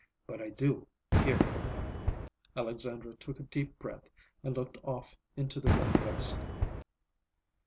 But I do, here." Alexandra took a deep breath and looked off into the red west.